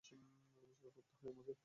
রোজগার করতে হয় আমাকে।